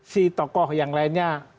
si tokoh yang lainnya